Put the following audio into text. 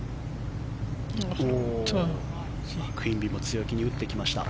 パク・インビも強気に打ってきました。